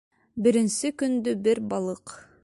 — Беренсе көндө бер балыҡ.